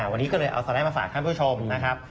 วันนี้ก็เลยเอาไซล์มาฝากให้คุณผู้ชมนะครับ